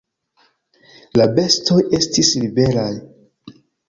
La bestoj estis liberaj.